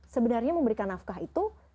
sebenarnya memberikan nafkah itu